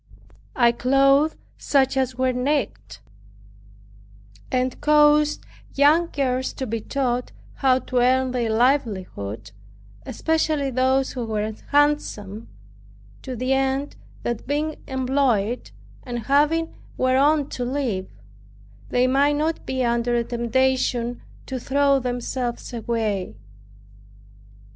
I clothed such as were naked, and caused young girls to be taught how to earn their livelihood, especially those who were handsome; to the end that being employed, and having whereon to live, they might not be under a temptation to throw themselves away.